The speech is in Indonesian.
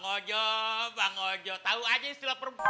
nih ji bang wajo tahu aja istilah perempuan